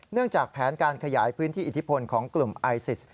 จากแผนการขยายพื้นที่อิทธิพลของกลุ่มไอซิส